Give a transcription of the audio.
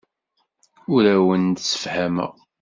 Ur awen-d-ssefhameɣ.